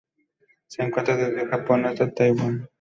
Se encuentra desde el Japón hasta Taiwán.